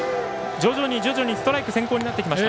徐々にストライク先行になってきました。